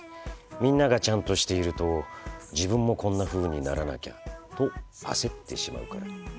みんなが、ちゃんとしていると自分も、こんなふうにならなきゃと焦ってしまうから。